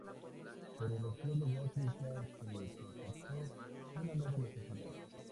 Pero en los cielos de África se constató una nueva necesidad.